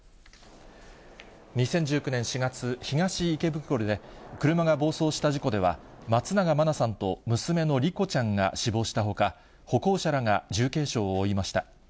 ２０１９年４月、東池袋で、車が暴走した事故では、松永真菜さんと娘の莉子ちゃんが死亡したほか、歩行者らが重軽傷を負いました。